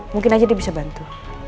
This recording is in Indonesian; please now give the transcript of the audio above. mungkin aja dia bisa bantu